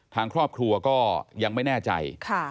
ทางครอบครัวก็ยังไม่แน่ใจ